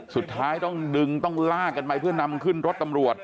สุดท้ายต้องลากันไปเพื่อนำขึ้นรถตำรวจ